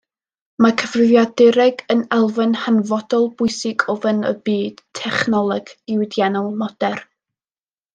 Mae cyfrifiadureg yn elfen hanfodol bwysig o fewn y byd technolegol, diwydiannol modern.